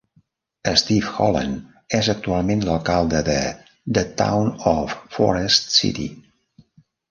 Steve Holland és actualment l'alcalde de The Town of Forest City.